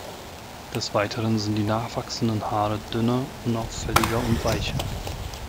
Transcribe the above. Des Weiteren sind die nachwachsenden Haare dünner, unauffälliger und weicher.